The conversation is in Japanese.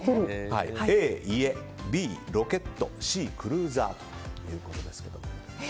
Ａ、家Ｂ、ロケットＣ、クルーザーということです。